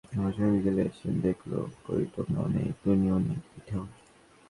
বনের পশুপাখি বিকেলে এসে দেখল—কই, টোনাও নেই, টুনিও নেই, পিঠাও নেই।